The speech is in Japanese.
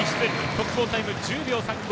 速報タイム１０秒３５。